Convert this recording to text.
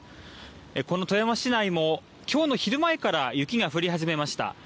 この富山市内も、きょうの昼前から雪が降り始めました。